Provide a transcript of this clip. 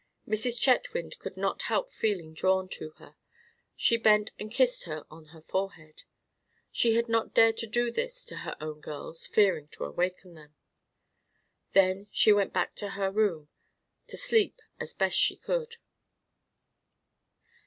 Mrs. Chetwynd could not help feeling drawn to her. She bent and kissed her on her forehead. She had not dared to do this to her own girls, fearing to awaken them. She then went back to her room, to sleep as best she could.